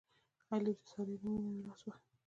علي د سارې له مینې نه لاس واخیست.